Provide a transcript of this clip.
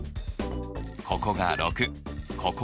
ここが６ここが３。